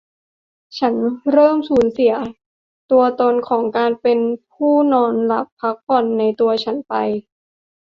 ฉันเริ่มสูญเสียตัวตนของการเป็นผู้นอนหลับพักผ่อนในตัวฉันไป